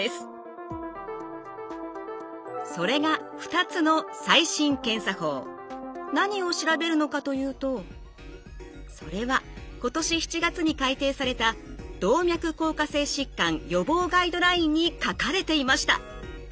それが何を調べるのかというとそれは今年７月に改訂された「動脈硬化性疾患予防ガイドライン」に書かれていました。